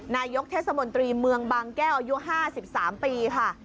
นายกเทศมนตรีเมืองบางแก้วอายุ๕๓ปีค่ะ